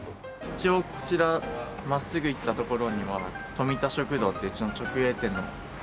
一応こちら真っすぐ行った所にも富田食堂っていううちの直営店のお店があって。